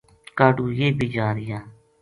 کاہڈو یہ بی جا رہیا